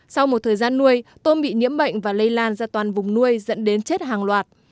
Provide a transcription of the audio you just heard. sau một thời gian nuôi tôm bị nhiễm bệnh và lây lan ra toàn vùng nuôi dẫn đến chết hàng loạt